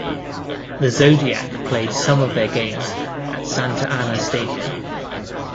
The Zodiac played some of their games at Santa Ana Stadium.